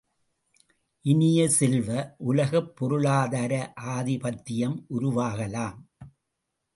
இனிய செல்வ, உலகப் பொருளாதார ஆதிபத்தியம் உருவாகலாம்.